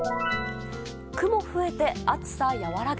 雲増えて、暑さ和らぐ。